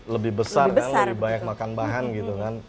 lebih besar kan lebih banyak makan bahan gitu kan